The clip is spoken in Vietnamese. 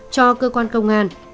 cho cơ quan công an